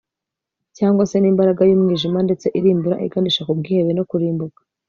cyangwa se ni imbaraga y'umwijima ndetse irimbura iganisha ku bwihebe no kurimbuka